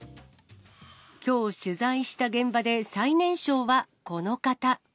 きょう、取材した現場で最年少はこの方。